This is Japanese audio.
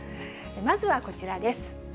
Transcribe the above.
まずはこちらです。